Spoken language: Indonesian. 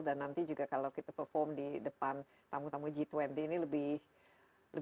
dan nanti juga kalau kita perform di depan tamu tamu g dua puluh ini bisa